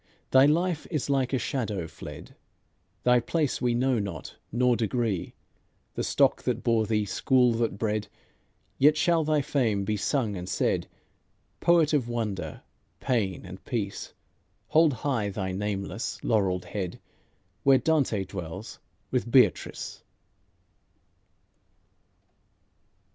Thy life is like a shadow fled; Thy place we know not nor degree, The stock that bore thee, school that bred; Yet shall thy fame be sung and said. Poet of wonder, pain, and peace, Hold high thy nameless, laurelled head Where Dante dwells with Beatrice.